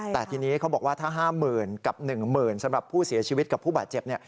แต่ทีนี้เขาบอกว่าถ้า๕๐๐๐กับ๑๐๐๐สำหรับผู้เสียชีวิตกับผู้บาดเจ็บ